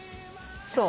そう。